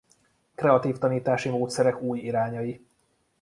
Kreatív tanítási módszerek új irányai.